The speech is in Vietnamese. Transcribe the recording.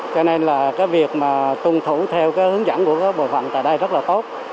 cho nên là cái việc mà tuân thủ theo cái hướng dẫn của bộ phận tại đây rất là tốt